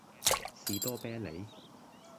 士多啤梨